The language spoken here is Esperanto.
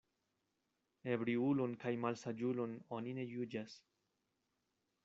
Ebriulon kaj malsaĝulon oni ne juĝas.